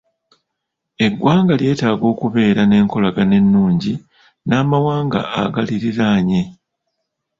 Eggwanga lyetaaga okubeera n'enkolagana ennungi n'amawanga agaliriraanye.